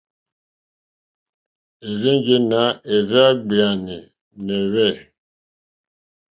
Érzènjé nà érzàɡbèáɛ́nɛ́hwɛ́.